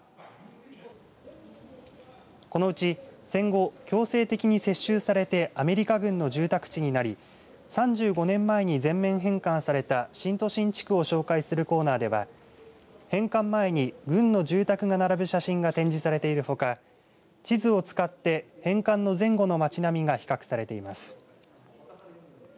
このうち戦後、強制的に接収されてアメリカ軍の住宅地になり３５年前に全面返還された新都心地区を紹介するコーナーでは返還前に軍の住宅が並ぶ写真が展示されているほか地図を使って返還の前後の町並みが比較されています。